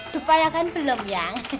dupanya kan belum ya